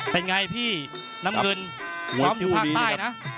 เป็นไงพี่น้ำเงินซ้อมอยู่ภาคใต้นะ